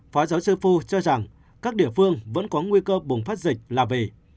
phó châu sư phu cho rằng các địa phương vẫn có nguy cơ bùng phát dịch là vì